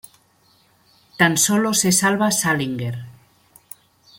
Tan solo se salva Salinger.